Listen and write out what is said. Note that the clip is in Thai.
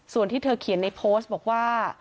ส่วนที่เธอเขียนในโพสต์บอกว่า